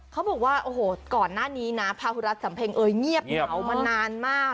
เขาบอกว่าโอ้โหก่อนหน้านี้นะพาหุรัฐสำเพ็งเอยเงียบเหงามานานมาก